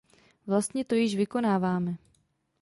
Vlastně to již vykonáváme.